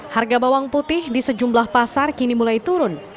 harga bawang putih di sejumlah pasar kini mulai turun